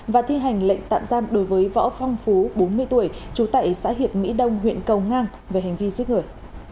và thi hành lệnh tạm giam đối với võ phong phú bốn mươi tuổi trú tại xã hiệp mỹ đông huyện cầu ngang về hành vi giết người